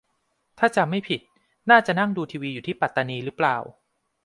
ถ้าจำไม่ผิด น่าจะนั่งดูทีวีอยู่ที่ปัตตานีรึเปล่า ?